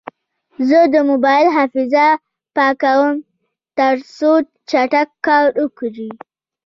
زه د موبایل حافظه پاکوم، ترڅو چټک کار وکړي.